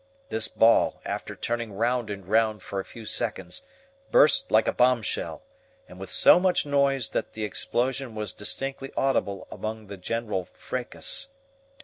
This ball, after turning round and round for a few seconds, burst like a bombshell, and with so much noise that the explosion was distinctly audible above the general FRACAS.